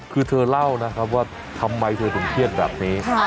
คือเธอเล่านะครับว่าทำไมเธอถึงเครียดแบบนี้